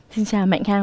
xin chào mạnh khang